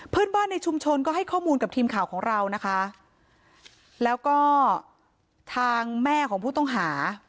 เพื่อนบ้านในชุมชนก็ให้ข้อมูลกับทีมข่าวของเรานะคะแล้วก็ทางแม่ของผู้ต้องหา